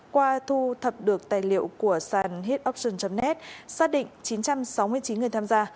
qua thu thập được tài liệu của sàn head oxonet xác định chín trăm sáu mươi chín người tham gia